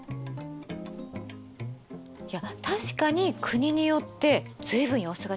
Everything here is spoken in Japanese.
確かに国によって随分様子が違うよね。